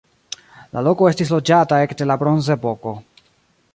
La loko estis loĝata ekde la bronzepoko.